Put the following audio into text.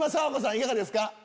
いかがですか？